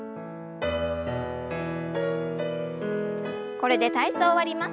これで体操を終わります。